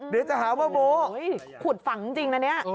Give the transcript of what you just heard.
เดี๋ยวจะหาว่าโบ๊ขุดฝังจริงนะเนี่ย